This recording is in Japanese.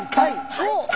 はい来た！